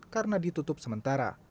karena ditutup sementara